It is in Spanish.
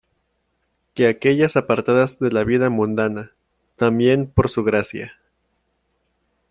que aquellas apartadas de la vida mundana , también por su Gracia ...